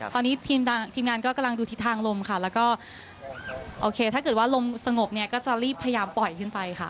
ตอนนี้ทีมงานก็กำลังดูทิศทางลมค่ะแล้วก็โอเคถ้าเกิดว่าลมสงบเนี่ยก็จะรีบพยายามปล่อยขึ้นไปค่ะ